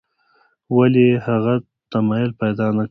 ولې یې هغسې تمایل پیدا نکړ.